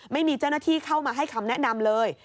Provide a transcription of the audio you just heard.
ไม่มีเจ้าหน้าที่เข้ามาให้คำแนะนำเลย